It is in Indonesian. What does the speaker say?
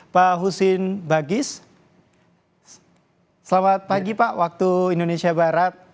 pak husin bagis selamat pagi pak waktu indonesia barat